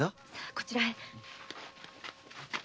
こちらへ。